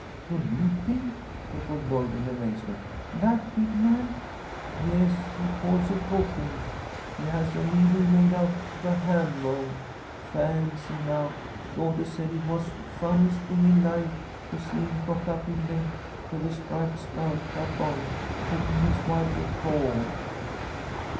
"To knitting!" echoed Lloyd, in amazement. "That big man?" "Yes. He calls it hooking. He has a needle made out of a ham bone. Fancy now! Daughter said it was the funniest thing in life to see him propped up in bed with a striped skull cap on, hooking his wife a shawl."